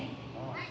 はい！